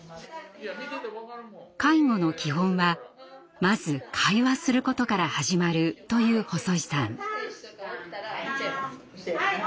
介護の基本はまず会話することから始まると言う細井さん。